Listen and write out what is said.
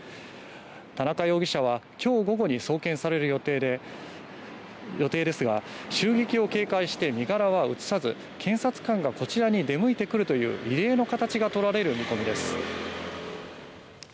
田中容疑者は今日午後に送検される予定ですが襲撃を警戒して身柄は移さず検察官がこちらに出向いてくるという異例の形が取られる見込みです。